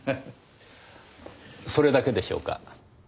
それだけでしょうか？